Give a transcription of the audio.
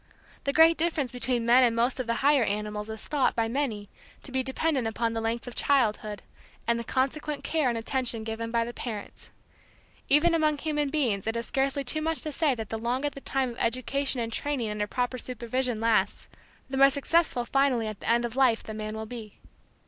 The great difference between men and most of the higher animals is thought by many to be dependent upon the length of childhood, and the consequent care and attention given by the parents. Even among human beings it is scarcely too much to say that the longer the time of education and training under proper supervision lasts, the more successful finally at the end of life the man will be.